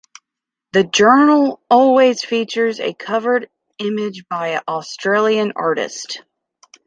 The journal always features a cover image by an Australian artist.